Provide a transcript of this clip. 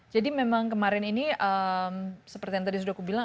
jadi memang kemarin ini seperti yang tadi sudah aku bilang